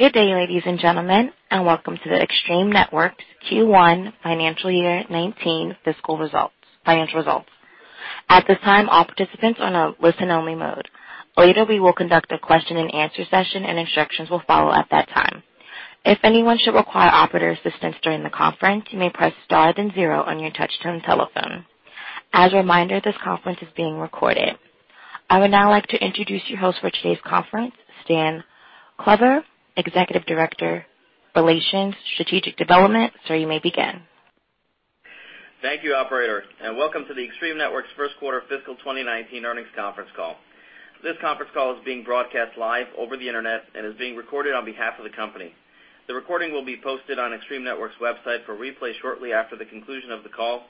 Good day, ladies and gentlemen. Welcome to the Extreme Networks Q1 Financial Year 2019 Financial Results. At this time, all participants are on a listen-only mode. Later, we will conduct a question and answer session. Instructions will follow at that time. If anyone should require operator assistance during the conference, you may press star then zero on your touch-tone telephone. As a reminder, this conference is being recorded. I would now like to introduce your host for today's conference, Stan Kovler, Executive Director, Investor Relations and Strategic Development. Sir, you may begin. Thank you, operator. Welcome to the Extreme Networks First Quarter Fiscal 2019 Earnings Conference Call. This conference call is being broadcast live over the internet and is being recorded on behalf of the company. The recording will be posted on Extreme Networks' website for replay shortly after the conclusion of the call.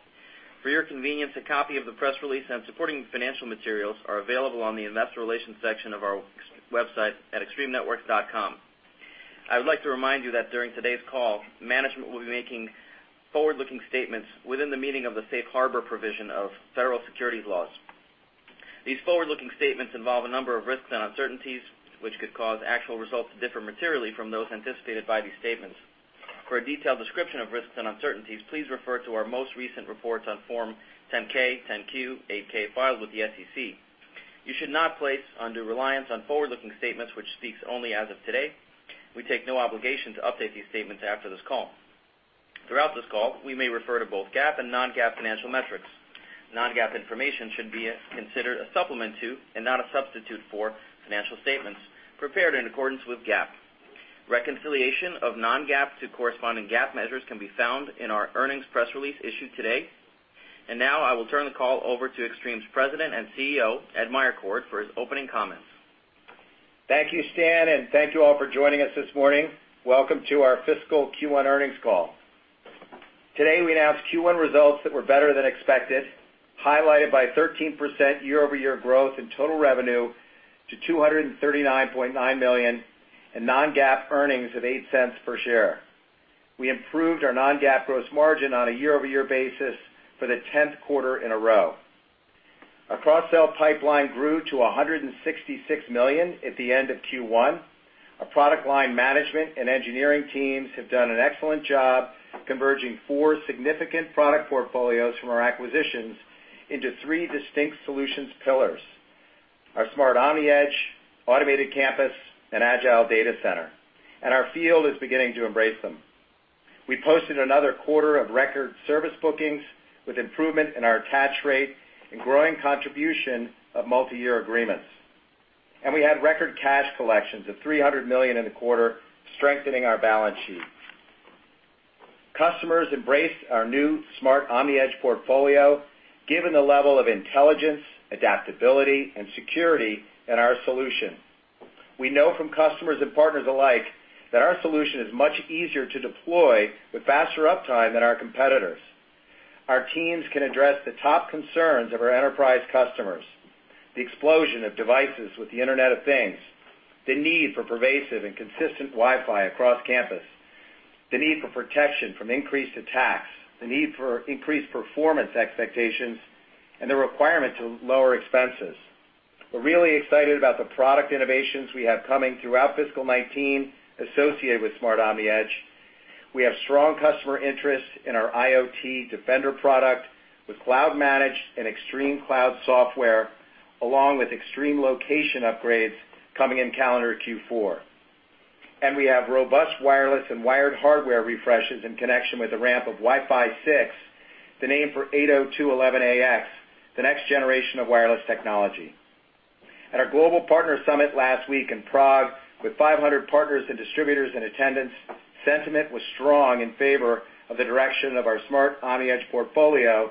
For your convenience, a copy of the press release and supporting financial materials are available on the Investor Relations section of our website at extremenetworks.com. I would like to remind you that during today's call, management will be making forward-looking statements within the meaning of the Safe Harbor provision of federal securities laws. These forward-looking statements involve a number of risks and uncertainties, which could cause actual results to differ materially from those anticipated by these statements. For a detailed description of risks and uncertainties, please refer to our most recent reports on Form 10-K, 10-Q, 8-K filed with the SEC. You should not place undue reliance on forward-looking statements, which speaks only as of today. We take no obligation to update these statements after this call. Throughout this call, we may refer to both GAAP and non-GAAP financial metrics. Non-GAAP information should be considered a supplement to and not a substitute for financial statements prepared in accordance with GAAP. Reconciliation of non-GAAP to corresponding GAAP measures can be found in our earnings press release issued today. Now I will turn the call over to Extreme's President and CEO, Ed Meyercord, for his opening comments. Thank you, Stan. Thank you all for joining us this morning. Welcome to our fiscal Q1 earnings call. Today, we announced Q1 results that were better than expected, highlighted by 13% year-over-year growth in total revenue to $239.9 million and non-GAAP earnings of $0.08 per share. We improved our non-GAAP gross margin on a year-over-year basis for the tenth quarter in a row. Our cross-sell pipeline grew to $166 million at the end of Q1. Our product line management and engineering teams have done an excellent job converging four significant product portfolios from our acquisitions into three distinct solutions pillars, our Smart OmniEdge, Automated Campus, and Agile Data Center. Our field is beginning to embrace them. We posted another quarter of record service bookings with improvement in our attach rate and growing contribution of multi-year agreements. We had record cash collections of $300 million in the quarter, strengthening our balance sheet. Customers embraced our new Smart OmniEdge portfolio, given the level of intelligence, adaptability, and security in our solution. We know from customers and partners alike that our solution is much easier to deploy with faster uptime than our competitors. Our teams can address the top concerns of our enterprise customers, the explosion of devices with the Internet of Things, the need for pervasive and consistent Wi-Fi across campus, the need for protection from increased attacks, the need for increased performance expectations, and the requirement to lower expenses. We're really excited about the product innovations we have coming throughout fiscal 2019 associated with Smart OmniEdge. We have strong customer interest in our Defender for IoT product with cloud managed and ExtremeCloud software, along with ExtremeLocation upgrades coming in calendar Q4. We have robust wireless and wired hardware refreshes in connection with the ramp of Wi-Fi 6, the name for 802.11ax, the next generation of wireless technology. At our Global Partner Summit last week in Prague, with 500 partners and distributors in attendance, sentiment was strong in favor of the direction of our Smart OmniEdge portfolio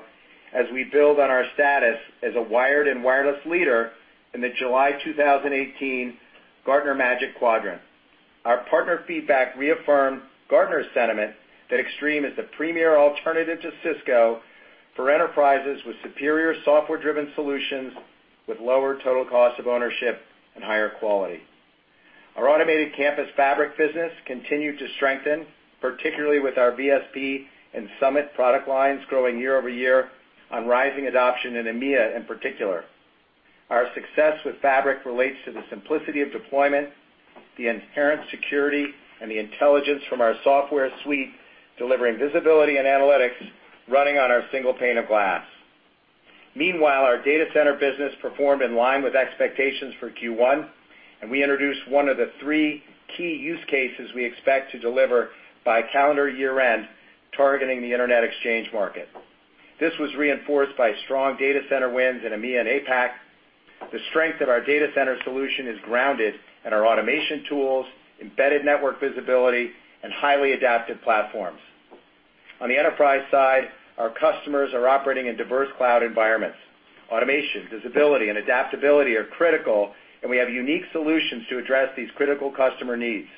as we build on our status as a wired and wireless leader in the July 2018 Gartner Magic Quadrant. Our partner feedback reaffirmed Gartner's sentiment that Extreme is the premier alternative to Cisco for enterprises with superior software-driven solutions with lower total cost of ownership and higher quality. Our Automated Campus Fabric business continued to strengthen, particularly with our VSP and Summit product lines growing year-over-year on rising adoption in EMEA in particular. Our success with Fabric relates to the simplicity of deployment, the inherent security, and the intelligence from our software suite, delivering visibility and analytics running on our single pane of glass. Meanwhile, our data center business performed in line with expectations for Q1, and we introduced one of the three key use cases we expect to deliver by calendar year-end, targeting the Internet exchange market. This was reinforced by strong data center wins in EMEA and APAC. The strength of our data center solution is grounded in our automation tools, embedded network visibility, and highly adaptive platforms. On the enterprise side, our customers are operating in diverse cloud environments. Automation, visibility, and adaptability are critical, and we have unique solutions to address these critical customer needs.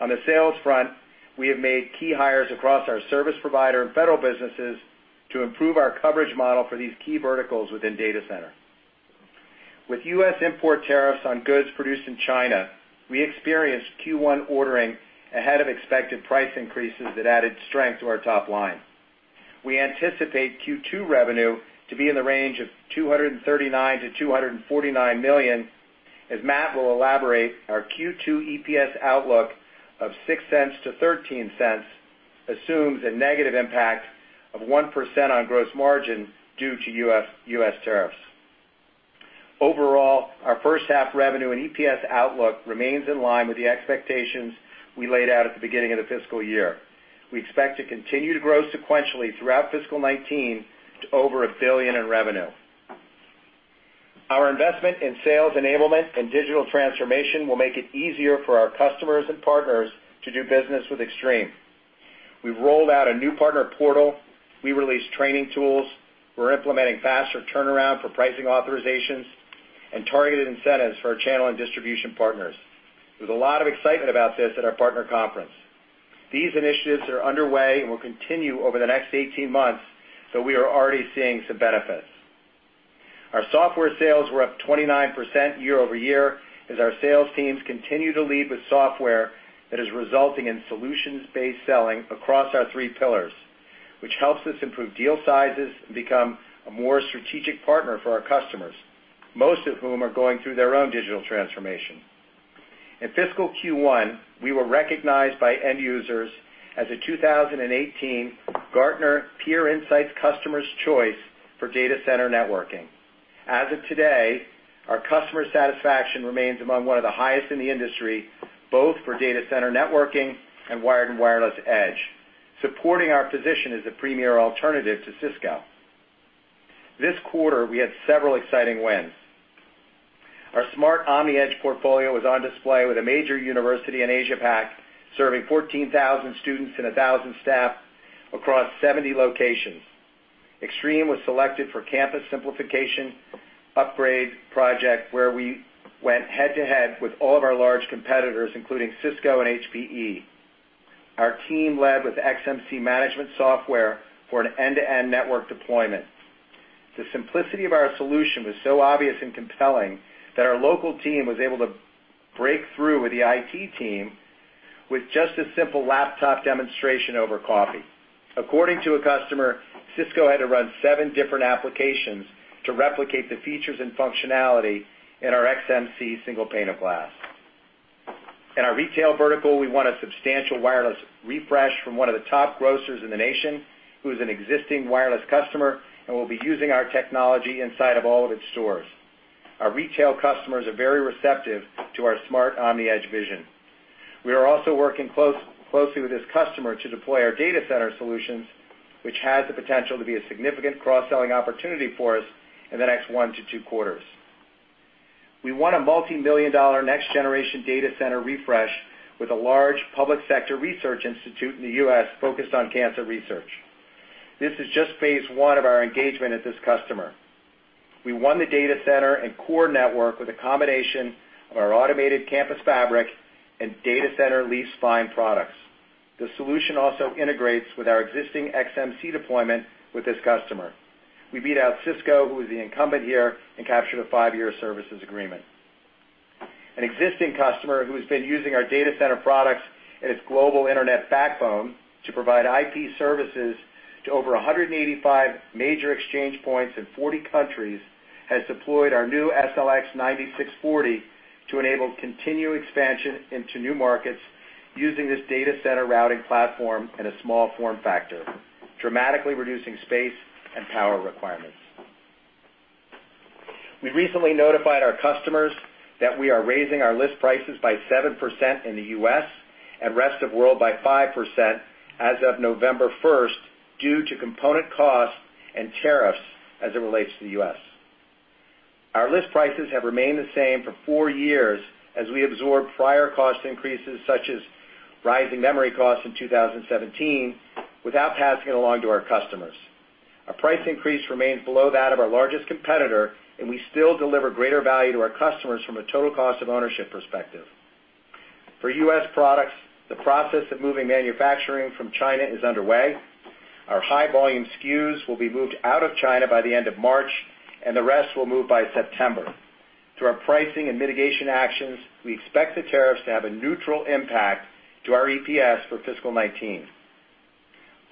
On the sales front, we have made key hires across our service provider and federal businesses to improve our coverage model for these key verticals within data center. With U.S. import tariffs on goods produced in China, we experienced Q1 ordering ahead of expected price increases that added strength to our top line. We anticipate Q2 revenue to be in the range of $239 million to $249 million. As Matt will elaborate, our Q2 EPS outlook of $0.06 to $0.13 assumes a negative impact of 1% on gross margin due to U.S. tariffs. Overall, our first half revenue and EPS outlook remains in line with the expectations we laid out at the beginning of the fiscal year. We expect to continue to grow sequentially throughout fiscal 2019 to over $1 billion in revenue. Our investment in sales enablement and digital transformation will make it easier for our customers and partners to do business with Extreme. We've rolled out a new partner portal. We released training tools. We're implementing faster turnaround for pricing authorizations and targeted incentives for our channel and distribution partners. There's a lot of excitement about this at our partner conference. These initiatives are underway and will continue over the next 18 months, so we are already seeing some benefits. Our software sales were up 29% year-over-year as our sales teams continue to lead with software that is resulting in solutions-based selling across our three pillars, which helps us improve deal sizes and become a more strategic partner for our customers, most of whom are going through their own digital transformation. In fiscal Q1, we were recognized by end users as a 2018 Gartner Peer Insights Customers' Choice for Data Center Networking. As of today, our customer satisfaction remains among one of the highest in the industry, both for data center networking and wired and wireless edge, supporting our position as a premier alternative to Cisco. This quarter, we had several exciting wins. Our Smart OmniEdge portfolio was on display with a major university in Asia-Pac, serving 14,000 students and 1,000 staff across 70 locations. Extreme was selected for campus simplification upgrade project, where we went head-to-head with all of our large competitors, including Cisco and HPE. Our team led with XMC management software for an end-to-end network deployment. The simplicity of our solution was so obvious and compelling that our local team was able to break through with the IT team with just a simple laptop demonstration over coffee. According to a customer, Cisco had to run seven different applications to replicate the features and functionality in our XMC single pane of glass. In our retail vertical, we won a substantial wireless refresh from one of the top grocers in the nation, who is an existing wireless customer and will be using our technology inside of all of its stores. Our retail customers are very receptive to our Smart OmniEdge vision. We are also working closely with this customer to deploy our data center solutions, which has the potential to be a significant cross-selling opportunity for us in the next one to two quarters. We won a multimillion-dollar next generation data center refresh with a large public sector research institute in the U.S. focused on cancer research. This is just phase one of our engagement with this customer. We won the data center and core network with a combination of our Automated Campus fabric and data center leaf-spine products. The solution also integrates with our existing XMC deployment with this customer. We beat out Cisco, who was the incumbent here, and captured a five-year services agreement. An existing customer who has been using our data center products in its global internet backbone to provide IP services to over 185 major exchange points in 40 countries, has deployed our new SLX 9640 to enable continued expansion into new markets using this data center routing platform in a small form factor, dramatically reducing space and power requirements. We recently notified our customers that we are raising our list prices by 7% in the U.S. and rest of world by 5% as of November 1st due to component costs and tariffs as it relates to the U.S. Our list prices have remained the same for four years as we absorb prior cost increases, such as rising memory costs in 2017, without passing it along to our customers. Our price increase remains below that of our largest competitor, and we still deliver greater value to our customers from a total cost of ownership perspective. For U.S. products, the process of moving manufacturing from China is underway. Our high volume SKUs will be moved out of China by the end of March, and the rest will move by September. Through our pricing and mitigation actions, we expect the tariffs to have a neutral impact to our EPS for fiscal 2019.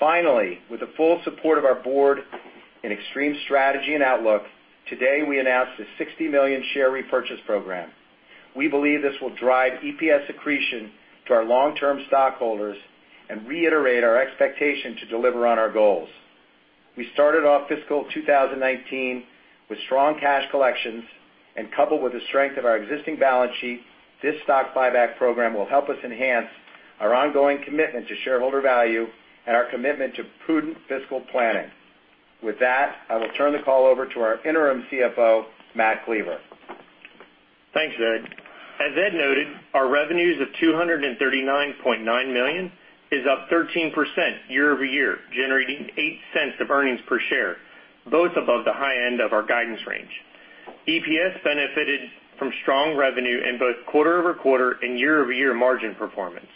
Finally, with the full support of our board and Extreme strategy and outlook, today we announced a $60 million share repurchase program. We believe this will drive EPS accretion to our long-term stockholders and reiterate our expectation to deliver on our goals. We started off fiscal 2019 with strong cash collections and coupled with the strength of our existing balance sheet, this stock buyback program will help us enhance our ongoing commitment to shareholder value and our commitment to prudent fiscal planning. With that, I will turn the call over to our interim CFO, Matt Cleaver. Thanks, Ed. As Ed noted, our revenues of $239.9 million is up 13% year-over-year, generating $0.08 of earnings per share, both above the high end of our guidance range. EPS benefited from strong revenue in both quarter-over-quarter and year-over-year margin performance.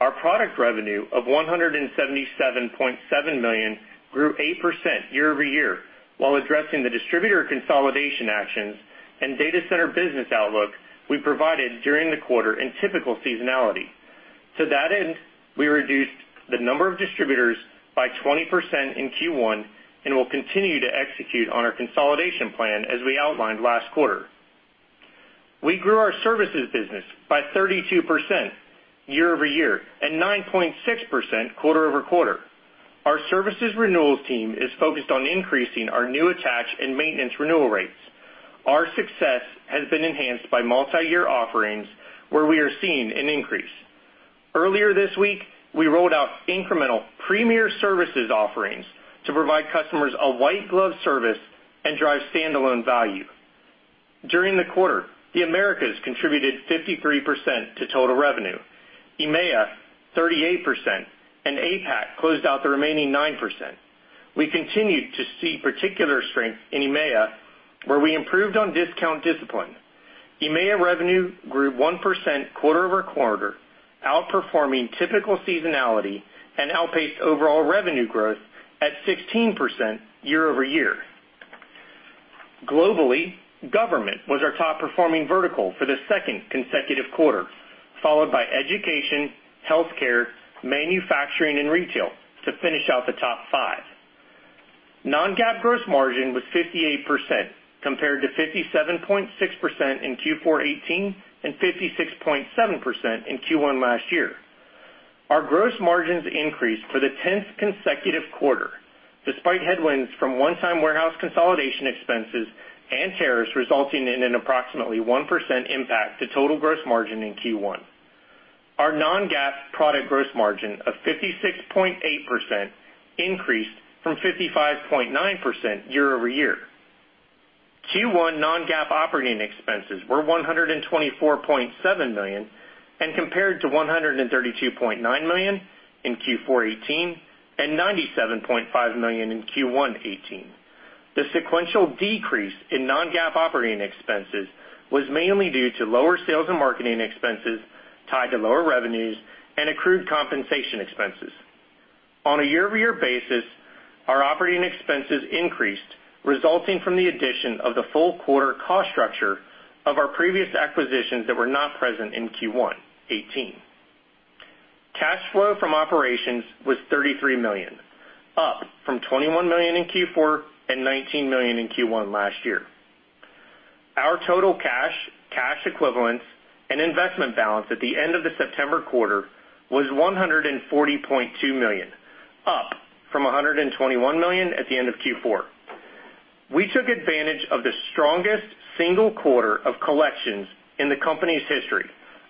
Our product revenue of $177.7 million grew 8% year-over-year. While addressing the distributor consolidation actions and data center business outlook we provided during the quarter in typical seasonality. To that end, we reduced the number of distributors by 20% in Q1, and will continue to execute on our consolidation plan as we outlined last quarter. We grew our services business by 32% year-over-year, and 9.6% quarter-over-quarter. Our services renewals team is focused on increasing our new attach and maintenance renewal rates. Our success has been enhanced by multi-year offerings where we are seeing an increase. Earlier this week, we rolled out incremental premier services offerings to provide customers a white glove service and drive standalone value. During the quarter, the Americas contributed 53% to total revenue, EMEA 38%, and APAC closed out the remaining 9%. We continued to see particular strength in EMEA, where we improved on discount discipline. EMEA revenue grew 1% quarter-over-quarter, outperforming typical seasonality, and outpaced overall revenue growth at 16% year-over-year. Globally, government was our top performing vertical for the second consecutive quarter, followed by education, healthcare, manufacturing, and retail to finish out the top five. non-GAAP gross margin was 58%, compared to 57.6% in Q4 2018 and 56.7% in Q1 last year. Our gross margins increased for the 10th consecutive quarter, despite headwinds from one-time warehouse consolidation expenses and tariffs resulting in an approximately 1% impact to total gross margin in Q1. Our non-GAAP product gross margin of 56.8% increased from 55.9% year-over-year. Q1 non-GAAP operating expenses were $124.7 million, compared to $132.9 million in Q4 2018 and $97.5 million in Q1 2018. The sequential decrease in non-GAAP operating expenses was mainly due to lower sales and marketing expenses tied to lower revenues and accrued compensation expenses. On a year-over-year basis, our operating expenses increased, resulting from the addition of the full quarter cost structure of our previous acquisitions that were not present in Q1 2018. Cash flow from operations was $33 million, up from $21 million in Q4 and $19 million in Q1 last year. Our total cash equivalents, and investment balance at the end of the September quarter was $140.2 million, up from $121 million at the end of Q4. We took advantage of the strongest single quarter of collections in the company's history,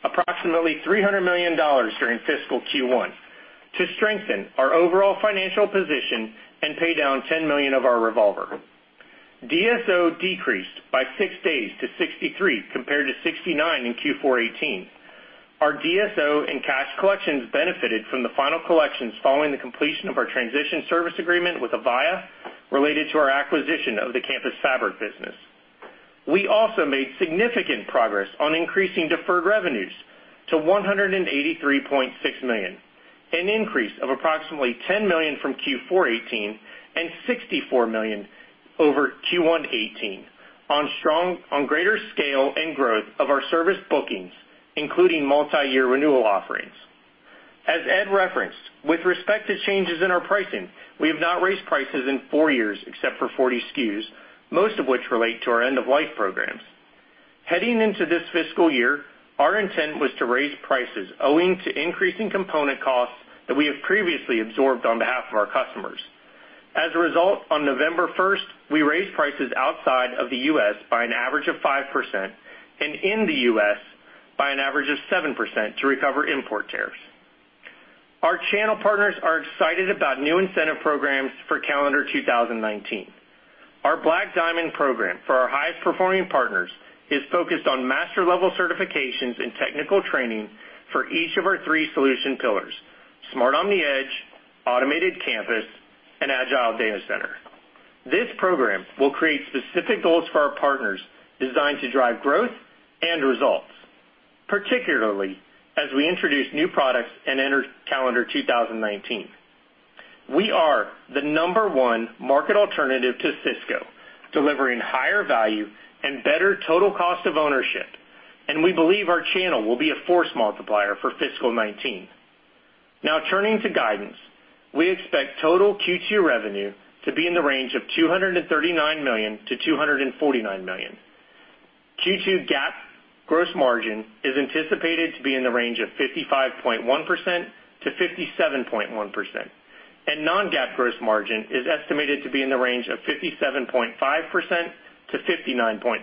approximately $300 million during fiscal Q1, to strengthen our overall financial position and pay down $10 million of our revolver. DSO decreased by six days to 63, compared to 69 in Q4 2018. Our DSO and cash collections benefited from the final collections following the completion of our transition service agreement with Avaya related to our acquisition of the campus fabric business. We also made significant progress on increasing deferred revenues to $183.6 million, an increase of approximately $10 million from Q4 2018 and $64 million over Q1 2018, on greater scale and growth of our service bookings, including multi-year renewal offerings. As Ed referenced, with respect to changes in our pricing, we have not raised prices in four years except for 40 SKUs, most of which relate to our end-of-life programs. Heading into this fiscal year, our intent was to raise prices owing to increasing component costs that we have previously absorbed on behalf of our customers. As a result, on November 1st, we raised prices outside of the U.S. by an average of 5%, and in the U.S. by an average of 7% to recover import tariffs. Our channel partners are excited about new incentive programs for calendar 2019. Our Black Diamond program for our highest performing partners is focused on master-level certifications and technical training for each of our three solution pillars: Smart OmniEdge, Automated Campus, and Agile Data Center. This program will create specific goals for our partners designed to drive growth and results, particularly as we introduce new products and enter calendar 2019. We are the number one market alternative to Cisco, delivering higher value and better total cost of ownership, we believe our channel will be a force multiplier for fiscal 2019. Now, turning to guidance. We expect total Q2 revenue to be in the range of $239 million to $249 million. Q2 GAAP gross margin is anticipated to be in the range of 55.1% to 57.1%, and non-GAAP gross margin is estimated to be in the range of 57.5% to 59.5%.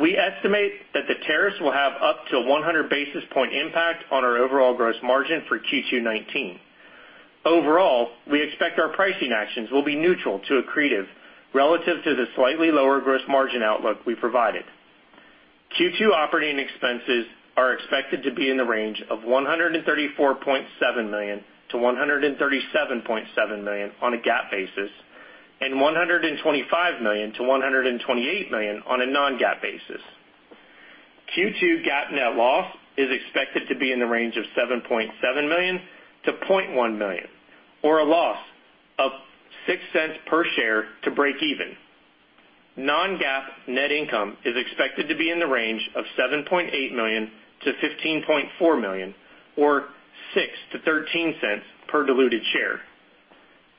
We estimate that the tariffs will have up to 100 basis point impact on our overall gross margin for Q2 2019. Overall, we expect our pricing actions will be neutral to accretive relative to the slightly lower gross margin outlook we provided. Q2 operating expenses are expected to be in the range of $134.7 million-$137.7 million on a GAAP basis, and $125 million-$128 million on a non-GAAP basis. Q2 GAAP net loss is expected to be in the range of $7.7 million-$0.1 million, or a loss of $0.06 per share to break even. Non-GAAP net income is expected to be in the range of $7.8 million-$15.4 million, or $0.06-$0.13 per diluted share.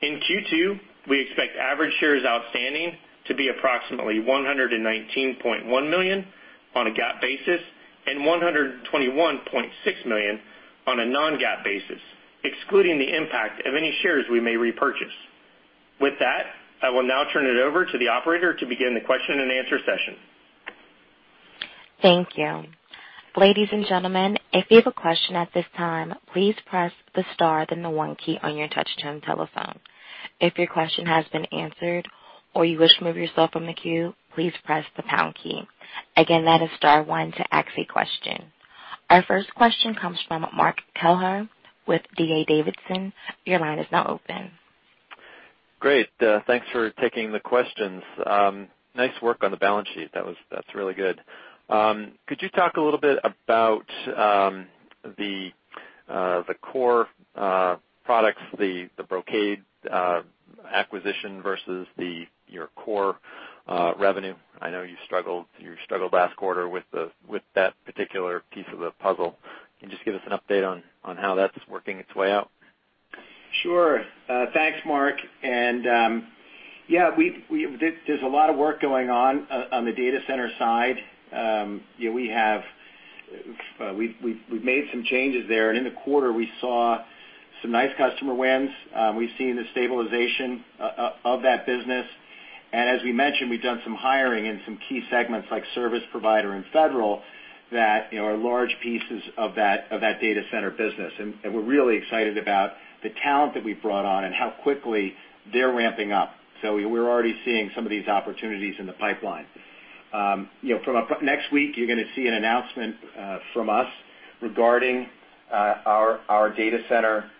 In Q2, we expect average shares outstanding to be approximately 119.1 million on a GAAP basis and 121.6 million on a non-GAAP basis, excluding the impact of any shares we may repurchase. With that, I will now turn it over to the operator to begin the question and answer session. Thank you. Ladies and gentlemen, if you have a question at this time, please press the star, then the one key on your touchtone telephone. If your question has been answered or you wish to remove yourself from the queue, please press the pound key. Again, that is star one to ask a question. Our first question comes from Mark Kelleher with D.A. Davidson. Your line is now open. Great. Thanks for taking the questions. Nice work on the balance sheet. That's really good. Could you talk a little bit about the core products, the Brocade acquisition versus your core revenue? I know you struggled last quarter with that particular piece of the puzzle. Can you just give us an update on how that's working its way out? Sure. Thanks, Mark. Yeah, there's a lot of work going on the data center side. We've made some changes there, in the quarter we saw some nice customer wins. We've seen the stabilization of that business. As we mentioned, we've done some hiring in some key segments like service provider and federal that are large pieces of that data center business. We're really excited about the talent that we've brought on and how quickly they're ramping up. We're already seeing some of these opportunities in the pipeline. Next week, you're going to see an announcement from us regarding our data center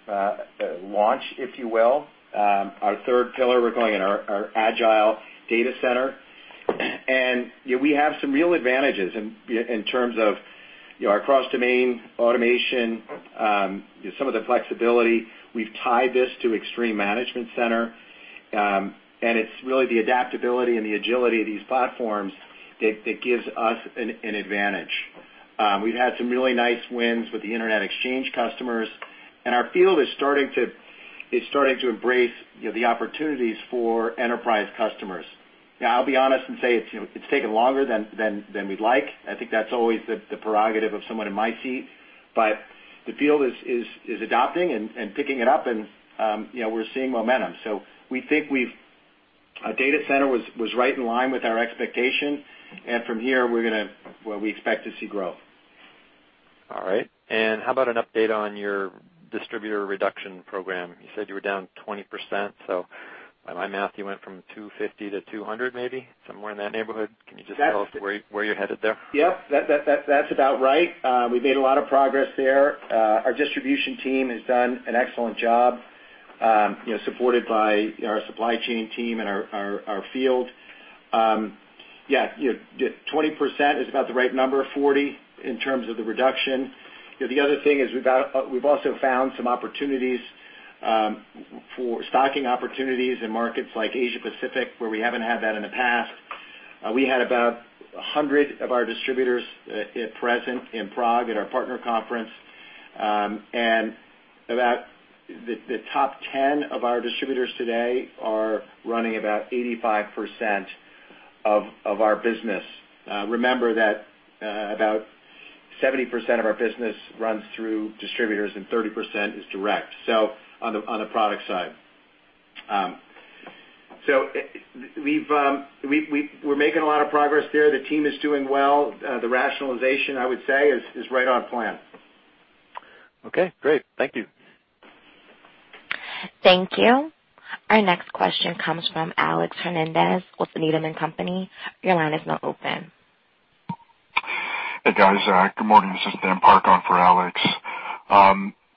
launch, if you will. Our third pillar, we're calling it our Agile Data Center. We have some real advantages in terms of our cross-domain automation, some of the flexibility. We've tied this to Extreme Management Center, it's really the adaptability and the agility of these platforms that gives us an advantage. We've had some really nice wins with the internet exchange customers, our field is starting to embrace the opportunities for enterprise customers. Now, I'll be honest and say it's taken longer than we'd like. I think that's always the prerogative of someone in my seat. The field is adopting and picking it up and we're seeing momentum. We think our data center was right in line with our expectation. From here we expect to see growth. All right. How about an update on your distributor reduction program? You said you were down 20%, by my math, you went from 250 to 200, maybe, somewhere in that neighborhood. Can you just tell us where you're headed there? Yep. That's about right. We've made a lot of progress there. Our distribution team has done an excellent job, supported by our supply chain team and our field. Yeah, 20% is about the right number, 40, in terms of the reduction. The other thing is we've also found some stocking opportunities in markets like Asia Pacific, where we haven't had that in the past. We had about 100 of our distributors present in Prague at our partner conference. The top 10 of our distributors today are running about 85% of our business. Remember that about 70% of our business runs through distributors and 30% is direct on the product side. We're making a lot of progress there. The team is doing well. The rationalization, I would say, is right on plan. Okay, great. Thank you. Thank you. Our next question comes from Alex Henderson with Needham & Company. Your line is now open. Hey, guys. Good morning. This is Dan Park on for Alex.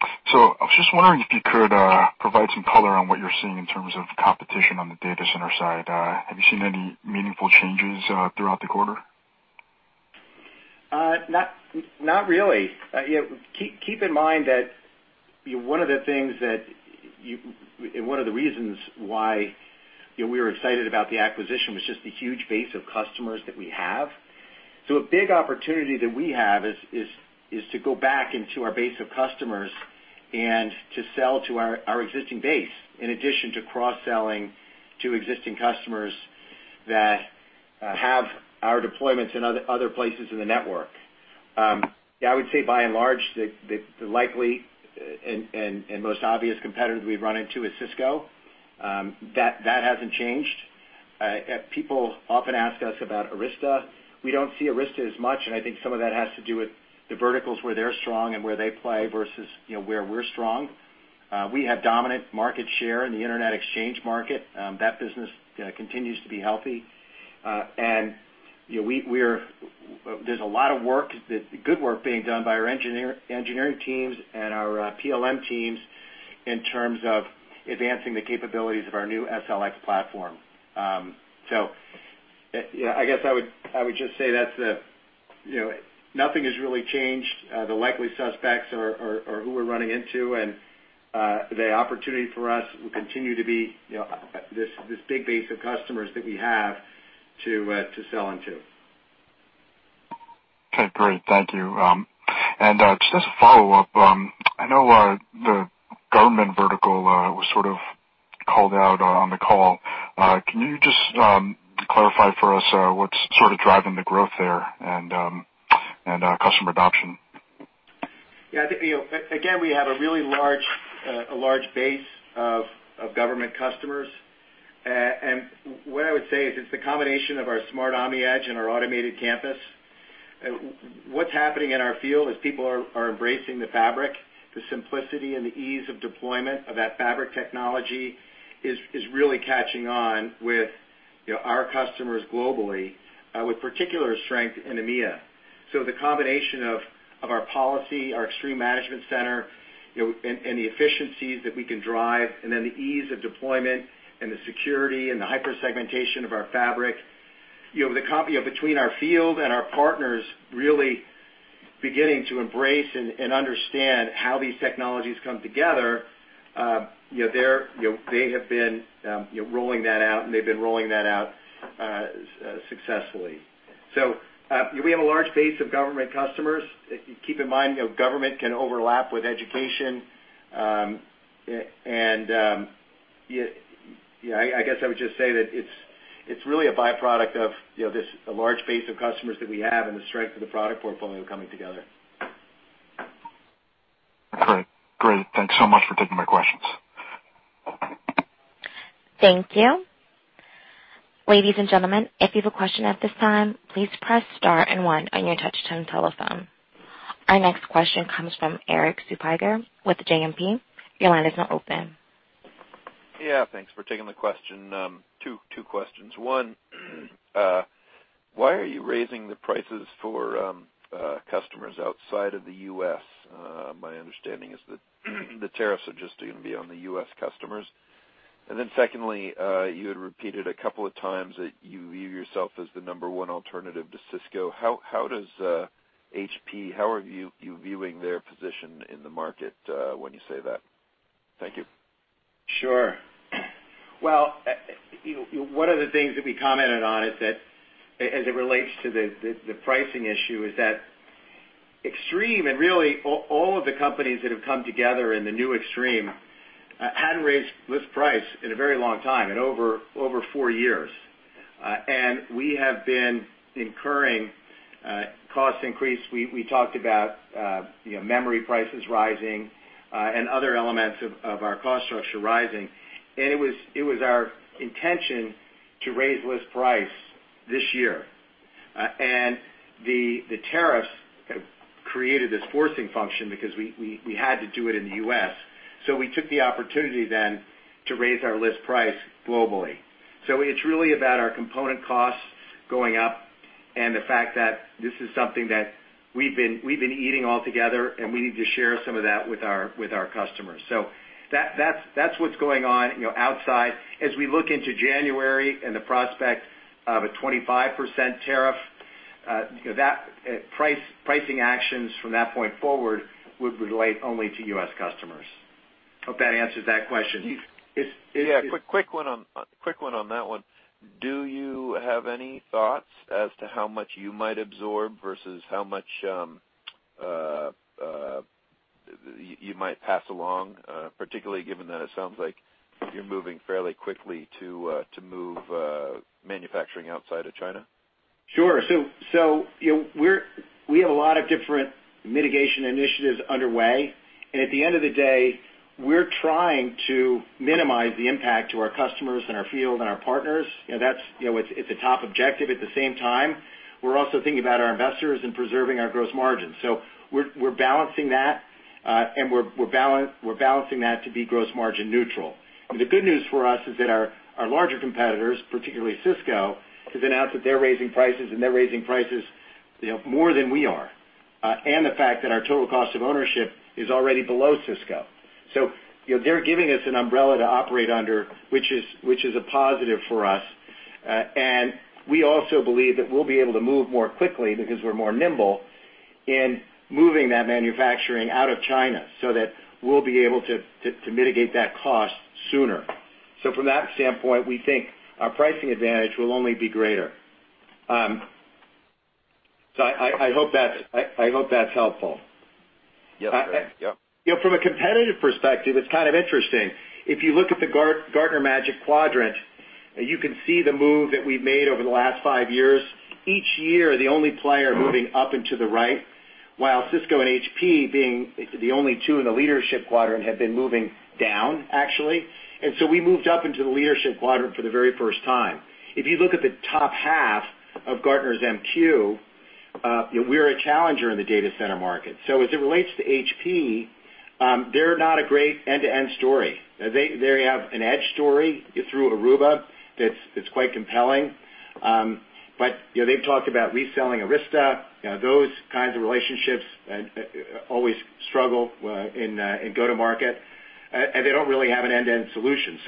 I was just wondering if you could provide some color on what you're seeing in terms of competition on the data center side. Have you seen any meaningful changes throughout the quarter? Not really. Keep in mind that one of the reasons why we were excited about the acquisition was just the huge base of customers that we have. A big opportunity that we have is to go back into our base of customers and to sell to our existing base, in addition to cross-selling to existing customers that have our deployments in other places in the network. I would say by and large, the likely and most obvious competitor that we'd run into is Cisco. That hasn't changed. People often ask us about Arista. We don't see Arista as much, and I think some of that has to do with the verticals where they're strong and where they play versus where we're strong. We have dominant market share in the Internet exchange market. That business continues to be healthy. There's a lot of good work being done by our engineering teams and our PLM teams in terms of advancing the capabilities of our new SLX platform. I guess I would just say that nothing has really changed. The likely suspects are who we're running into, and the opportunity for us will continue to be this big base of customers that we have to sell into. Okay, great. Thank you. Just as a follow-up, I know the government vertical was sort of called out on the call. Can you just clarify for us what's sort of driving the growth there and customer adoption? Yeah, I think, again, we have a really large base of government customers. What I would say is it's the combination of our Smart OmniEdge and our Automated Campus. What's happening in our field is people are embracing the fabric. The simplicity and the ease of deployment of that fabric technology is really catching on with our customers globally, with particular strength in EMEA. The combination of our policy, our Extreme Management Center, and the efficiencies that we can drive, and then the ease of deployment and the security and the hyper-segmentation of our fabric. Between our field and our partners really beginning to embrace and understand how these technologies come together, they have been rolling that out, and they've been rolling that out successfully. We have a large base of government customers. Keep in mind, government can overlap with education. I guess I would just say that it's really a byproduct of this large base of customers that we have and the strength of the product portfolio coming together. Great. Thanks so much for taking my questions. Thank you. Ladies and gentlemen, if you have a question at this time, please press star and one on your touch-tone telephone. Our next question comes from Erik Suppiger with JMP. Your line is now open. Yeah, thanks for taking the question. Two questions. One, why are you raising the prices for customers outside of the U.S.? My understanding is that the tariffs are just going to be on the U.S. customers. Secondly, you had repeated a couple of times that you view yourself as the number one alternative to Cisco. How are you viewing their position in the market when you say that? Thank you. Sure. Well, one of the things that we commented on is that, as it relates to the pricing issue, is that Extreme and really all of the companies that have come together in the new Extreme, hadn't raised list price in a very long time, in over four years. We have been incurring cost increase. We talked about memory prices rising, and other elements of our cost structure rising. It was our intention to raise list price this year. The tariffs have created this forcing function because we had to do it in the U.S., we took the opportunity then to raise our list price globally. It's really about our component costs going up and the fact that this is something that we've been eating altogether, and we need to share some of that with our customers. That's what's going on outside. As we look into January and the prospect of a 25% tariff, pricing actions from that point forward would relate only to U.S. customers. Hope that answers that question. Yeah, quick one on that one. Do you have any thoughts as to how much you might absorb versus how much you might pass along, particularly given that it sounds like you're moving fairly quickly to move manufacturing outside of China? Sure. We have a lot of different mitigation initiatives underway. At the end of the day, we're trying to minimize the impact to our customers and our field and our partners. It's a top objective. At the same time, we're also thinking about our investors and preserving our gross margins. We're balancing that, and we're balancing that to be gross margin neutral. The good news for us is that our larger competitors, particularly Cisco, have announced that they're raising prices more than we are. The fact that our total cost of ownership is already below Cisco. They're giving us an umbrella to operate under, which is a positive for us. We also believe that we'll be able to move more quickly because we're nimbler in moving that manufacturing out of China so that we'll be able to mitigate that cost sooner. From that standpoint, we think our pricing advantage will only be greater. I hope that's helpful. Yes. From a competitive perspective, it's kind of interesting. If you look at the Gartner Magic Quadrant, you can see the move that we've made over the last five years. Each year, the only player moving up into the right, while Cisco and HP being the only two in the leadership quadrant have been moving down, actually. We moved up into the leadership quadrant for the very first time. If you look at the top half of Gartner's MQ, we're a challenger in the data center market. As it relates to HP, they're not a great end-to-end story. They have an edge story through Aruba that's quite compelling. They've talked about reselling Arista. Those kinds of relationships always struggle in go-to-market, and they don't really have an end-to-end solution.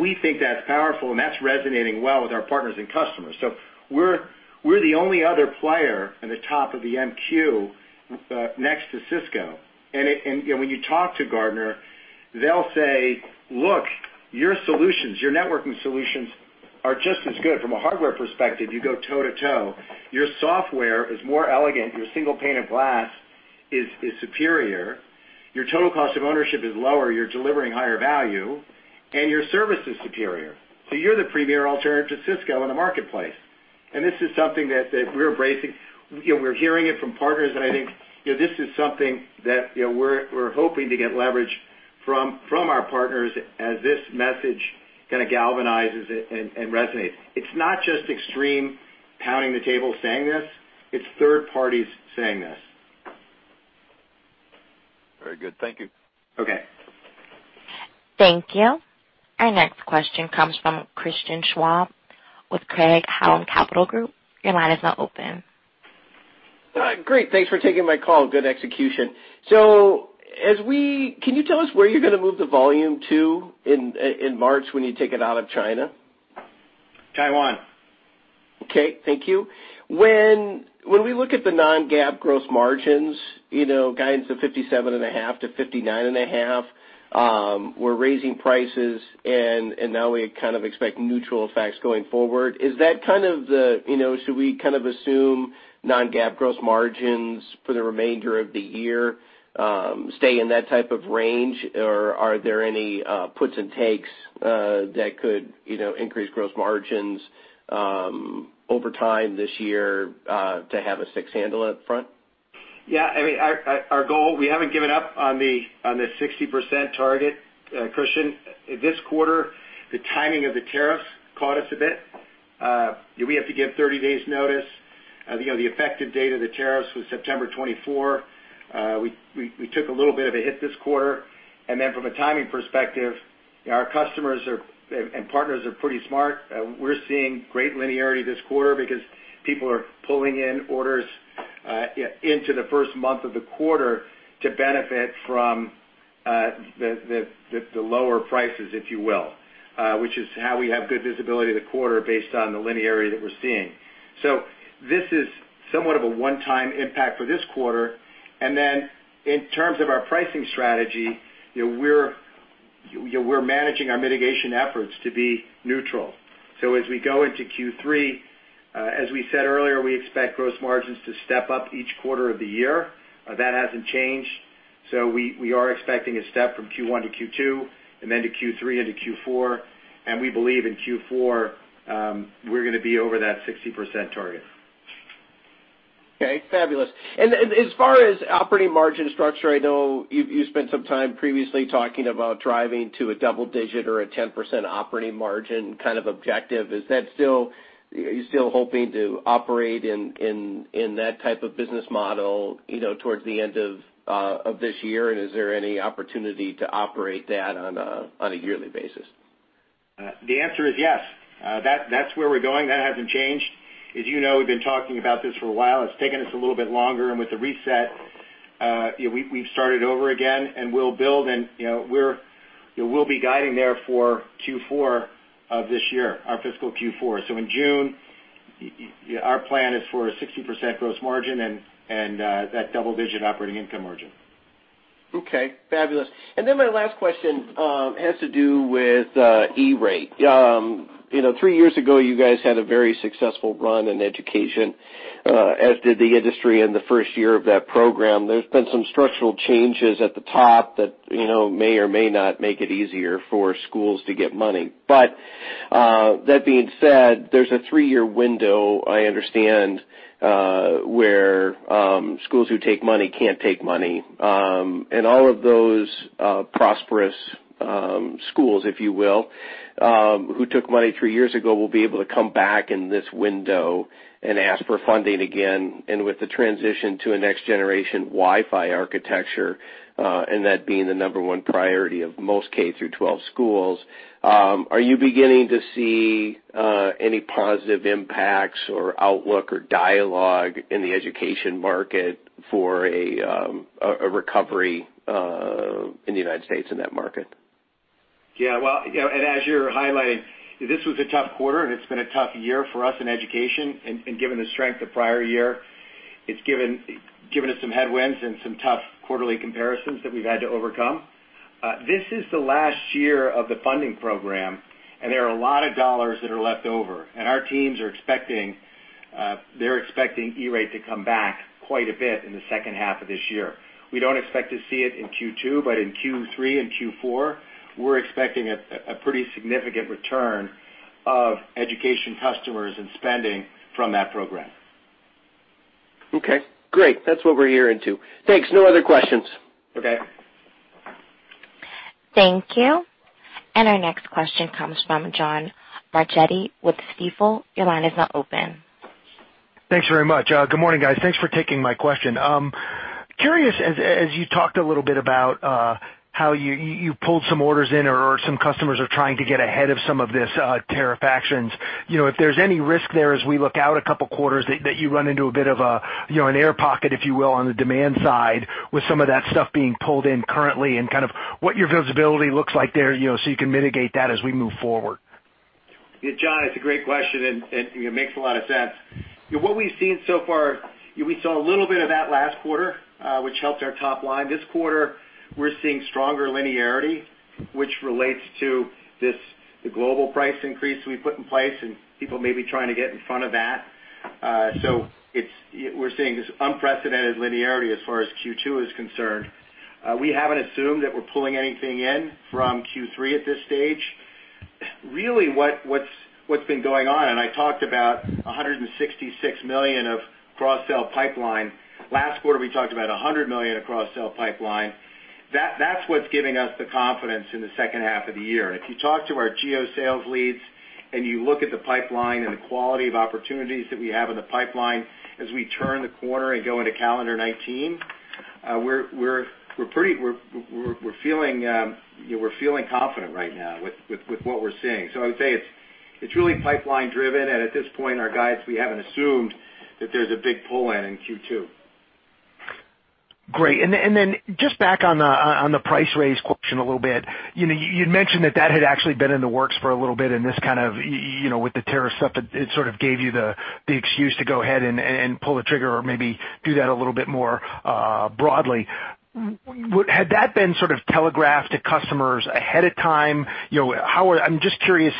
We think that's powerful, and that's resonating well with our partners and customers. We're the only other player in the top of the MQ next to Cisco. When you talk to Gartner, they'll say, "Look, your solutions, your networking solutions are just as good from a hardware perspective. You go toe to toe. Your software is more elegant. Your single pane of glass is superior. Your total cost of ownership is lower. You're delivering higher value, and your service is superior. You're the premier alternative to Cisco in the marketplace." This is something that we're embracing. We're hearing it from partners, and I think this is something that we're hoping to get leverage from our partners as this message kind of galvanizes it and resonates. It's not just Extreme pounding the table saying this. It's third parties saying this. Very good. Thank you. Okay. Thank you. Our next question comes from Christian Schwab with Craig-Hallum Capital Group. Your line is now open. Great. Thanks for taking my call. Good execution. Can you tell us where you're going to move the volume to in March when you take it out of China? Taiwan. Okay. Thank you. When we look at the non-GAAP gross margins, guidance of 57.5%-59.5%, we're raising prices, and now we kind of expect neutral effects going forward. Should we kind of assume non-GAAP gross margins for the remainder of the year stay in that type of range? Are there any puts and takes that could increase gross margins over time this year to have a six handle up front? Yeah. We haven't given up on the 60% target, Christian. This quarter, the timing of the tariffs caught us a bit. We have to give 30 days notice. The effective date of the tariffs was September 24. We took a little bit of a hit this quarter. Then from a timing perspective, our customers and partners are pretty smart. We're seeing great linearity this quarter because people are pulling in orders into the first month of the quarter to benefit from the lower prices, if you will, which is how we have good visibility of the quarter based on the linearity that we're seeing. This is somewhat of a one-time impact for this quarter. Then in terms of our pricing strategy, we're managing our mitigation efforts to be neutral. As we go into Q3, as we said earlier, we expect gross margins to step up each quarter of the year. That hasn't changed. We are expecting a step from Q1 to Q2, then to Q3 into Q4. We believe in Q4, we're going to be over that 60% target. Okay, fabulous. As far as operating margin structure, I know you spent some time previously talking about driving to a double-digit or a 10% operating margin kind of objective. Are you still hoping to operate in that type of business model towards the end of this year? Is there any opportunity to operate that on a yearly basis? The answer is yes. That's where we're going. That hasn't changed. As you know, we've been talking about this for a while. It's taken us a little bit longer. With the reset, we've started over again, and we'll build, and we'll be guiding there for Q4 of this year, our fiscal Q4. In June, our plan is for a 60% gross margin and that double-digit operating income margin. Okay, fabulous. My last question has to do with E-rate. Three years ago, you guys had a very successful run in education, as did the industry in the first year of that program. There's been some structural changes at the top that may or may not make it easier for schools to get money. That being said, there's a three-year window, I understand, where schools who take money can't take money. All of those prosperous schools, if you will, who took money three years ago, will be able to come back in this window and ask for funding again. With the transition to a next-generation Wi-Fi architecture, and that being the number one priority of most K through 12 schools, are you beginning to see any positive impacts or outlook or dialogue in the education market for a recovery in the U.S. in that market? Well, as you're highlighting, this was a tough quarter, it's been a tough year for us in education. Given the strength of the prior year, it's given us some headwinds and some tough quarterly comparisons that we've had to overcome. This is the last year of the funding program, there are a lot of dollars that are left over, our teams are expecting E-rate to come back quite a bit in the second half of this year. We don't expect to see it in Q2, but in Q3 and Q4, we're expecting a pretty significant return of education customers and spending from that program. Okay, great. That's what we're hearing, too. Thanks. No other questions. Okay. Thank you. Our next question comes from John Marchetti with Stifel. Your line is now open. Thanks very much. Good morning, guys. Thanks for taking my question. Curious, as you talked a little bit about how you pulled some orders in or some customers are trying to get ahead of some of this tariff actions, if there's any risk there as we look out a couple quarters that you run into a bit of an air pocket, if you will, on the demand side with some of that stuff being pulled in currently, what your visibility looks like there, so you can mitigate that as we move forward. John, it's a great question, and it makes a lot of sense. What we've seen so far, we saw a little bit of that last quarter, which helped our top line. This quarter, we're seeing stronger linearity, which relates to the global price increase we put in place, and people may be trying to get in front of that. We're seeing this unprecedented linearity as far as Q2 is concerned. We haven't assumed that we're pulling anything in from Q3 at this stage. Really, what's been going on, and I talked about $166 million of cross-sell pipeline. Last quarter, we talked about $100 million of cross-sell pipeline. That's what's giving us the confidence in the second half of the year. If you talk to our geo sales leads and you look at the pipeline and the quality of opportunities that we have in the pipeline, as we turn the corner and go into calendar 2019, we're feeling confident right now with what we're seeing. I would say it's really pipeline driven, and at this point in our guides, we haven't assumed that there's a big pull-in in Q2. Great. Just back on the price raise question a little bit. You'd mentioned that that had actually been in the works for a little bit, and this kind of with the tariff stuff, it sort of gave you the excuse to go ahead and pull the trigger or maybe do that a little bit more broadly. Had that been sort of telegraphed to customers ahead of time? I'm just curious,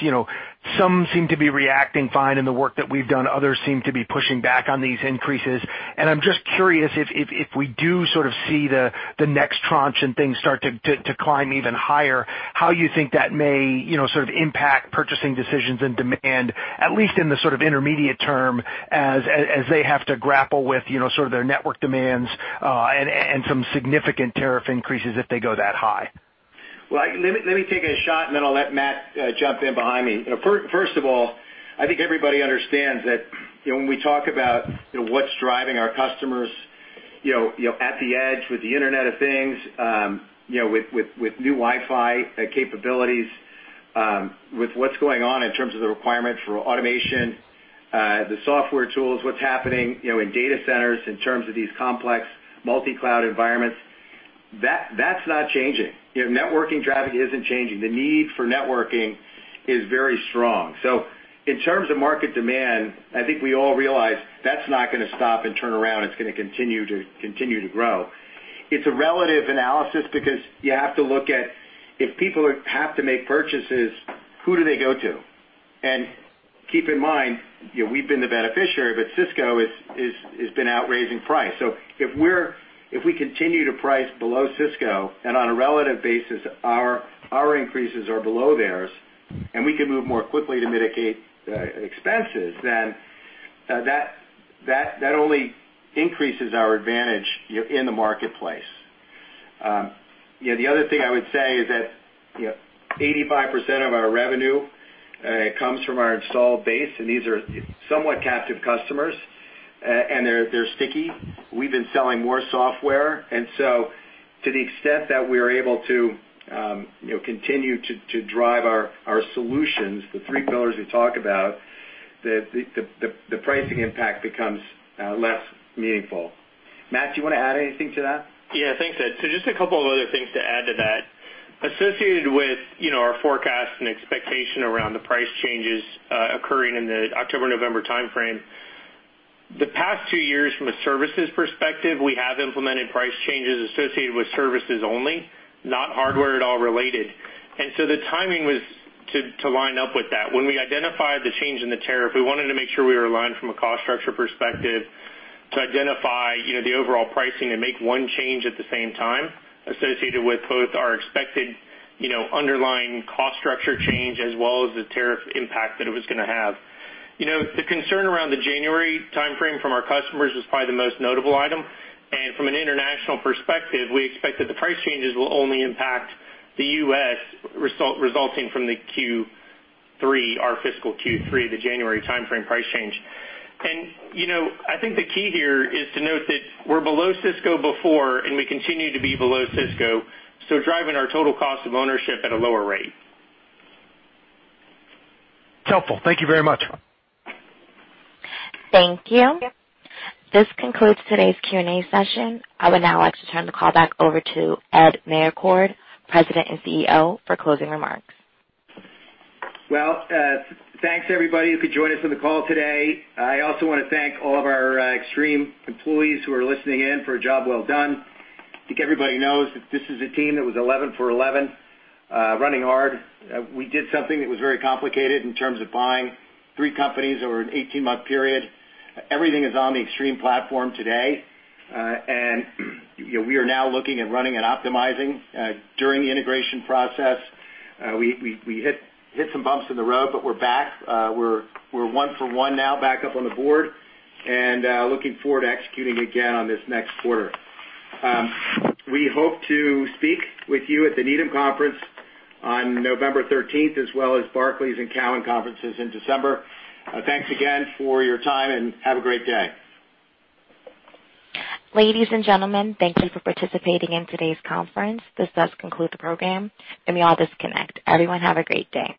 some seem to be reacting fine in the work that we've done. Others seem to be pushing back on these increases, and I'm just curious if we do sort of see the next tranche and things start to climb even higher, how you think that may sort of impact purchasing decisions and demand, at least in the sort of intermediate term, as they have to grapple with sort of their network demands, and some significant tariff increases if they go that high. Well, let me take a shot, and then I'll let Matt jump in behind me. First of all, I think everybody understands that when we talk about what's driving our customers at the edge with the Internet of Things, with new Wi-Fi capabilities, with what's going on in terms of the requirement for automation, the software tools, what's happening in data centers in terms of these complex multi-cloud environments, that's not changing. Networking traffic isn't changing. The need for networking is very strong. In terms of market demand, I think we all realize that's not going to stop and turn around. It's going to continue to grow. It's a relative analysis because you have to look at if people have to make purchases, who do they go to? Keep in mind, we've been the beneficiary, but Cisco has been out raising price. If we continue to price below Cisco, and on a relative basis, our increases are below theirs, and we can move more quickly to mitigate expenses, then that only increases our advantage in the marketplace. The other thing I would say is that 85% of our revenue comes from our installed base, and these are somewhat captive customers, and they're sticky. We've been selling more software. To the extent that we are able to continue to drive our solutions, the three pillars we talk about, the pricing impact becomes less meaningful. Matt, do you want to add anything to that? Yeah, thanks, Ed. Just a couple of other things to add to that. Associated with our forecast and expectation around the price changes occurring in the October-November timeframe. The past two years from a services perspective, we have implemented price changes associated with services only, not hardware at all related. The timing was to line up with that. When we identified the change in the tariff, we wanted to make sure we were aligned from a cost structure perspective to identify the overall pricing and make one change at the same time associated with both our expected underlying cost structure change as well as the tariff impact that it was going to have. The concern around the January timeframe from our customers was probably the most notable item. From an international perspective, we expect that the price changes will only impact the U.S. resulting from the Q3, our fiscal Q3, the January timeframe price change. I think the key here is to note that we're below Cisco before, and we continue to be below Cisco, so driving our total cost of ownership at a lower rate. It's helpful. Thank you very much. Thank you. This concludes today's Q&A session. I would now like to turn the call back over to Ed Meyercord, President and CEO, for closing remarks. Thanks everybody who could join us on the call today. I also want to thank all of our Extreme employees who are listening in for a job well done. I think everybody knows that this is a team that was 11 for 11, running hard. We did something that was very complicated in terms of buying three companies over an 18-month period. Everything is on the Extreme platform today. We are now looking at running and optimizing during the integration process. We hit some bumps in the road, but we're back. We're one for one now back up on the board and looking forward to executing again on this next quarter. We hope to speak with you at the Needham conference on November 13th, as well as Barclays and Cowen conferences in December. Thanks again for your time. Have a great day. Ladies and gentlemen, thank you for participating in today's conference. This does conclude the program. You may all disconnect. Everyone have a great day.